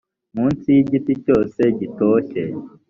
munsi y’igiti cyose gitoshye